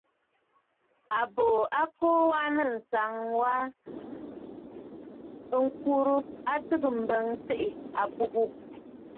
Àbòò a kuu wa nɨ̂ ànsaŋ wa ŋkurə a tɨgə̀ m̀bə tsiʼì àbûbû.